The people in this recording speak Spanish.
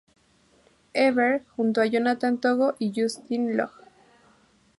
Ever", junto a Jonathan Togo y Justin Long.